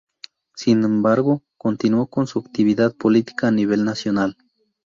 Sin embargo, continuó con su actividad política a nivel nacional.